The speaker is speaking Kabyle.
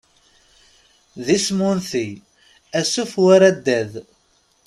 D isem unti, asuf, war addad.